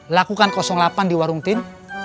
lakukan delapan di warung tim